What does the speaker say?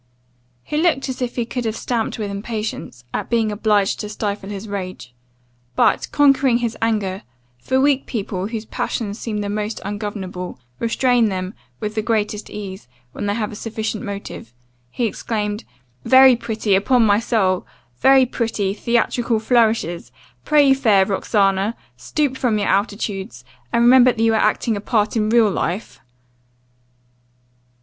"He looked as if he could have stamped with impatience, at being obliged to stifle his rage; but, conquering his anger (for weak people, whose passions seem the most ungovernable, restrain them with the greatest ease, when they have a sufficient motive), he exclaimed, 'Very pretty, upon my soul! very pretty, theatrical flourishes! Pray, fair Roxana, stoop from your altitudes, and remember that you are acting a part in real life.